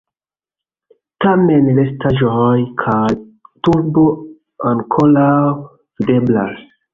Tamen restaĵoj kaj turo ankoraŭ videblas.